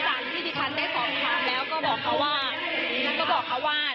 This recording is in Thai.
ต่างจุดที่ฉันได้สอบถามแล้วก็บอกเขาว่า